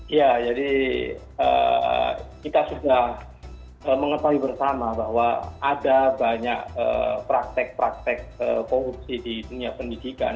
iya jadi kita sudah mengetahui bersama bahwa ada banyak praktek praktek korupsi di dunia pendidikan